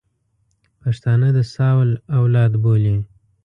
پښتانه د ساول اولاد بولي.